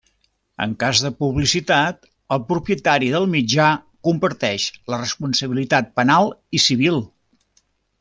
En cas de publicitat, el propietari del mitjà comparteix la responsabilitat penal i civil.